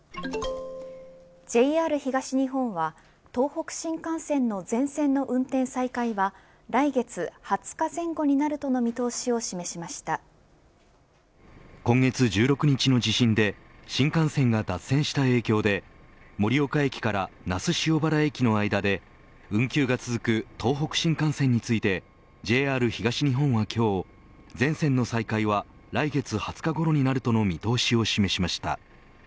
ＪＲ東日本は東北新幹線の全線の運転再開は来月２０日前後になるとの見通しを今月１６日の地震で新幹線が脱線した影響で盛岡駅から那須塩原駅の間で運休が続く東北新幹線についてＪＲ東日本は今日全線の再開は来月２０日ごろになるとの見通しを示しました。